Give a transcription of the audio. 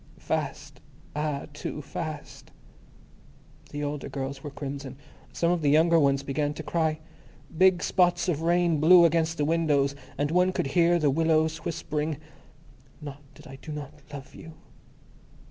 Fast! Ah, too Fast. The older girls were crimson; some of the younger ones began to cry. Big spots of rain blew against the windows, and one could hear the willows whispering, "... not that I do not love you...."